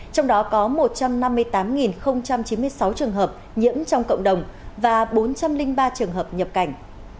trong đó có một trăm năm mươi tám chín mươi sáu trường hợp nhiễm trong cộng đồng và bốn trăm linh ba trường hợp nhập cảnh